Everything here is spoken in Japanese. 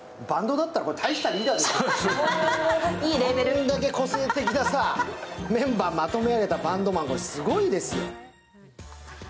こんだけ個性的なメンバーまとめ上げたバンドマン、すごいです。